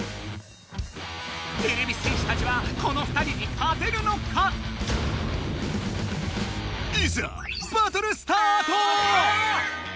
てれび戦士たちはこの２人に勝てるのか⁉いざバトルスタート！